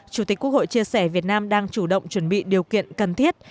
chủ tịch quốc hội chia sẻ việt nam đang chủ động chuẩn bị điều kiện cần thiết